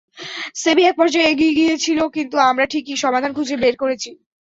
সেভিয়া একপর্যায়ে এগিয়ে গিয়েছিল, কিন্তু আমরা ঠিকই সমাধান খুঁজে বের করেছি।